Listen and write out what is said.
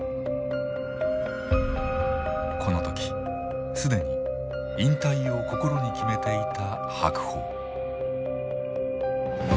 この時既に引退を心に決めていた白鵬。